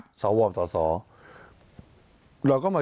ที่ไม่มีนิวบายในการแก้ไขมาตรา๑๑๒